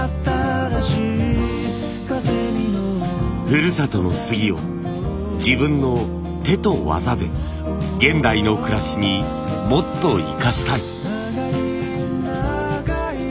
ふるさとの杉を自分の手と技で現代の暮らしにもっと生かしたい。